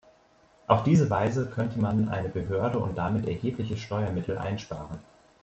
Auf diese Weise könnte man eine Behörde und damit erhebliche Steuermittel einsparen.